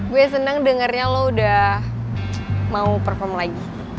gue seneng dengernya lo udah mau perform lagi